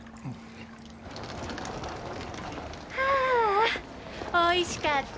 はあおいしかった！